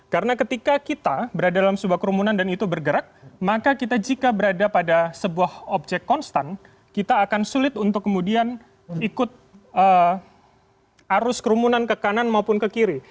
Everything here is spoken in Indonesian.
karena ketika kita berada dalam sebuah kerumunan dan itu bergerak maka kita jika berada pada sebuah objek konstan kita akan sulit untuk kemudian ikut arus kerumunan ke kanan maupun ke kiri